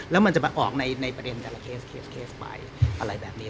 แล้วมันจะมาออกในประเด็นแต่ละเคสเคสไหมอะไรแบบนี้